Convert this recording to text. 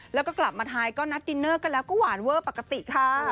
แล้วก็กลับมาไทยก็นัดดินเนอร์กันแล้วก็หวานเวอร์ปกติค่ะ